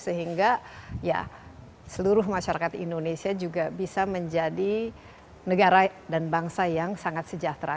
sehingga ya seluruh masyarakat indonesia juga bisa menjadi negara dan bangsa yang sangat sejahtera